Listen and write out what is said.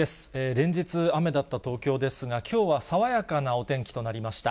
連日、雨だった東京ですが、きょうは爽やかなお天気となりました。